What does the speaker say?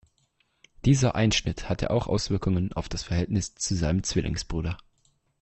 Dieser Einschnitt hatte auch Auswirkungen auf das Verhältnis zu seinem Zwillingsbruder.